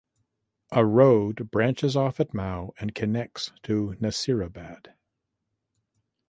A road branches off at Mau and connects to Nasirabad.